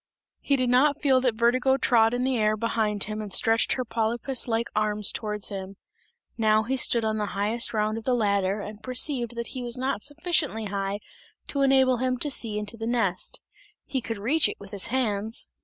He did not feel that Vertigo trod in the air behind him and stretched her polypus like arms towards him. Now he stood on the highest round of the ladder and perceived that he was not sufficiently high to enable him to see into the nest; he could reach it with his hands.